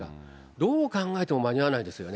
どう考えても間に合わないですよね。